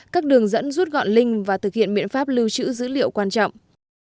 các đường dẫn rút gọn linh và thực hiện biện pháp lưu trữ dữ liệu quan trọng